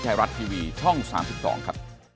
ไทยรัฐทีวีช่อง๓๒ครับ